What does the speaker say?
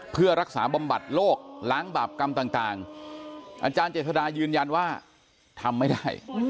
เพื่อรักษาบำบัดโรคล้างบาปกรรมต่างอาจารย์เจษดายืนยันว่าทำไม่ได้